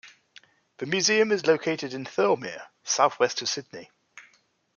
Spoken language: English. The museum is located in Thirlmere, south-west of Sydney.